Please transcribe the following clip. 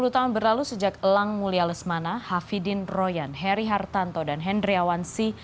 dua puluh tahun berlalu sejak elang mulia lesmana hafidin royan heri hartanto dan hendria wansi